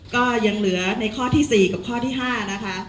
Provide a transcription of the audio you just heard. ก็ยังเหลือในข้อที่๔กับข้อที่๕นะคะ